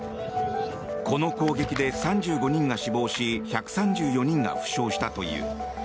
この攻撃で３５人が死亡し１３４人が負傷したという。